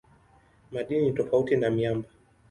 Madini ni tofauti na miamba.